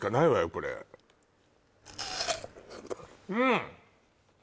これうん！